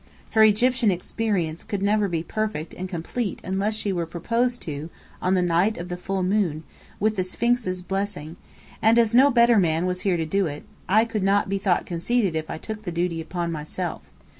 Her Egyptian experience could never be perfect and complete unless she were proposed to on the night of the full moon, with the Sphinx's blessing; and as no better man was here to do it, I could not be thought conceited if I took the duty upon myself.